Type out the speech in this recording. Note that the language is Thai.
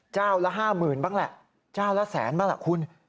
เจ้าละห้าหมื่นบ้างแหละเจ้าละแสนบ้างแหละคุณ